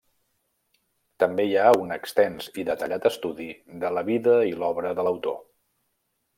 També hi ha un extens i detallat estudi de la vida i l'obra de l'autor.